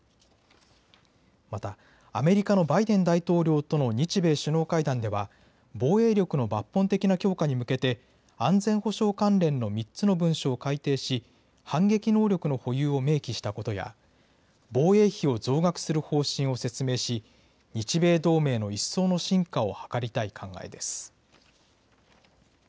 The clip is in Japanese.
また、アメリカのバイデン大統領との日米首脳会談では、防衛力の抜本的な強化に向けて、安全保障関連の３つの文書を改定し、反撃能力の保有を明記したことや、防衛費を増額する方針を説明し、日米同盟の一層の深化を図りたい考えです。